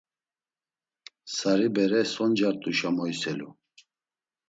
Sari bere so ncart̆uşe moyselu.